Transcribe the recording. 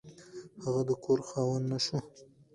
هغه د کور خاوند نه شو.